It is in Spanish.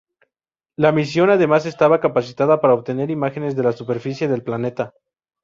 La misión además estaba capacitada para obtener imágenes de la superficie del planeta.